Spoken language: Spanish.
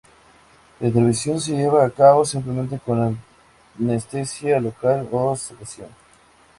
La intervención se lleva a cabo simplemente con anestesia local o sedación.